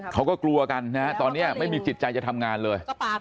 เขาก็กลัวกันนะฮะตอนนี้ไม่มีจิตใจจะทำงานเลย